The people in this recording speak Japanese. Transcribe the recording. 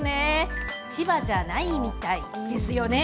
千葉じゃないみたいですよね？